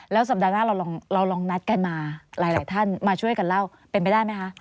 สัปดาห์หน้าเราลองนัดกันมาหลายท่านมาช่วยกันเล่าเป็นไปได้ไหมคะ